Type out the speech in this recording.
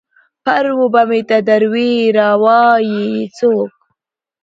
پر و به مې ته دروې ، را وا يي يې څوک؟